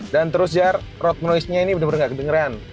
dan terus jar road noise nya ini bener bener nggak kedengeran